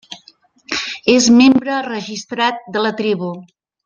És membre registrat de la tribu.